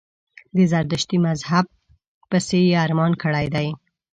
د زردشتي مذهب پسي یې ارمان کړی دی.